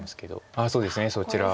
ああそうですねそちら。